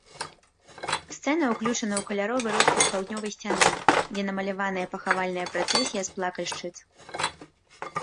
Сцэна ўключана ў каляровы роспіс паўднёвай сцяны, дзе намаляваная пахавальная працэсія з плакальшчыц.